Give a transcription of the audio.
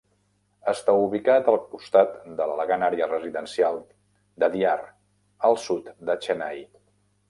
Està ubicat al costat de l'elegant àrea residencial d'Adyar, al sud de Chennai.